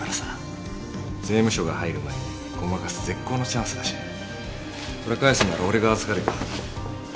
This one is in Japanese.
税務署が入る前にごまかす絶好のチャンスだしそれ返すなら俺が預かるよ。